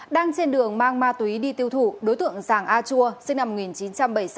đang trên đường mang ma túy đi tiêu thụ đối tượng giàng a chua sinh năm một nghìn chín trăm bảy mươi sáu